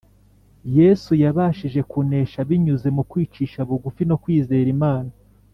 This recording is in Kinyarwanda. Yesu yabashije kunesha binyuze mu kwicisha bugufi no kwizera Imana,